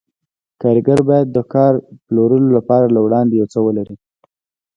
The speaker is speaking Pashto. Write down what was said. کارګر باید د کار پلورلو لپاره له وړاندې یو څه ولري